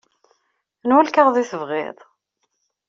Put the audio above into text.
Anwa lkaɣeḍ i tebɣiḍ?